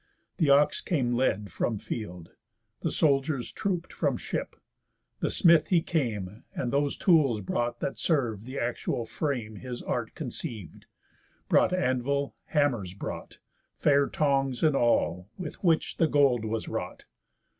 The ox came led from field; The soldiers troop'd from ship; the smith he came, And those tools brought that serv'd the actual frame His art conceiv'd, brought anvil, hammers brought, Fair tongs, and all, with which the gold was wrought.